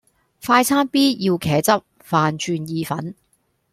快餐 B 要茄汁,飯轉意粉